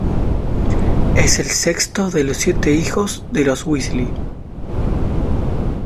Es el sexto de los siete hijos de los Weasley.